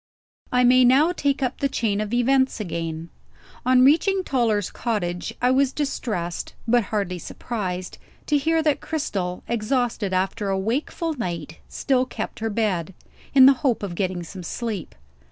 I may now take up the chain of events again. On reaching Toller's cottage, I was distressed (but hardly surprised) to hear that Cristel, exhausted after a wakeful night, still kept her bed, in the hope of getting some sleep.